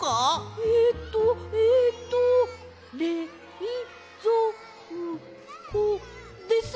えっとえっとれいぞうこですよね？